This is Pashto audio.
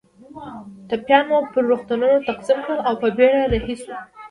ټپیان مو پر روغتونونو تقسیم کړل او په بېړه رهي شوو.